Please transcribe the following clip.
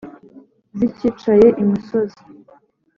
Zicyicaye imusozi